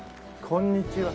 こんにちは。